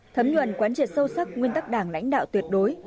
thấm nhuận quán triệt sâu sắc nguyên tắc đảng lãnh đạo tuyệt đối